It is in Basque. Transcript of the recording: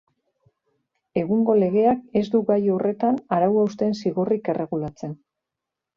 Egungo legeak ez du gai horretan arau-hausteen zigorrik erregulatzen.